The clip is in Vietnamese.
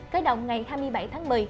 kết động ngày hai mươi bảy tháng một mươi